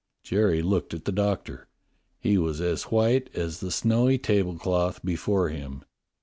'" Jerry looked at the Doctor. He was as white as the snowy tablecloth before him.